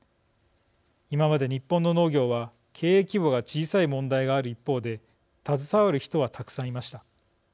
今まで日本の農業は経営規模が小さい問題がある一方で携わる人はたくさんいました。